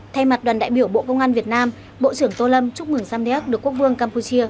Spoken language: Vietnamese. thay mặt đoàn đại biểu bộ công an việt nam bộ trưởng tô lâm chúc mừng samdeck được quốc vương campuchia